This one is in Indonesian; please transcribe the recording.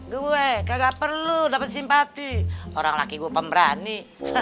gue kagak perlu dapat simpati orang laki gue pemberani